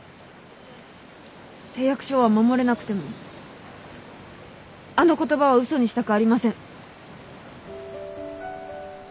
誓約書は守れなくてもあの言葉は嘘にしたくありません。